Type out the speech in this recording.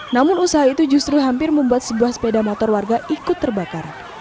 namun usaha itu justru hampir membuat sebuah sepeda motor warga ikut terbakar